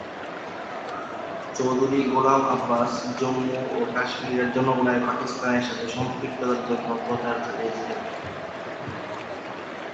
চৌধুরী গোলাম আব্বাস জম্মু ও কাশ্মীরের জনগণের পাকিস্তানের সাথে সম্পৃক্ততার জন্য প্রচার চালিয়েছিলেন।